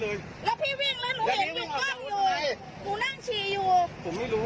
แล้วพี่วิ่งแล้วหนูเห็นอยู่กล้องอยู่หนูนั่งฉี่อยู่ผมไม่รู้